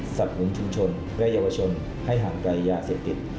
สรรคุมชุมชนและเยาวชนให้ห่างไกลอย่าเสียติด